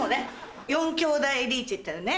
四兄弟リーチってのね。